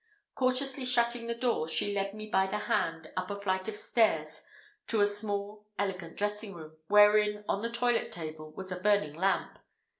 Cautiously shutting the door, she led me by the hand up a flight of stairs to a small, elegant dressing room, wherein, on the toilet table, was a burning lamp.